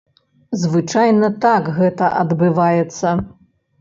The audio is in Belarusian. Звычайна так гэта адбываецца.